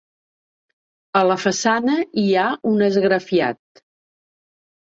A la façana hi ha un esgrafiat.